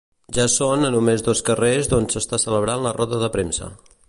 Ja són a només dos carrers d'on s'està celebrant la roda de premsa.